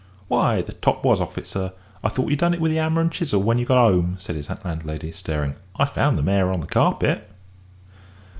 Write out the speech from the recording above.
"Why, the top was off it, sir. I thought you'd done it with the 'ammer and chisel when you got 'ome," said his landlady, staring. "I found them 'ere on the carpet."